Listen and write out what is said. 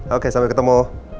oke sampai ketemu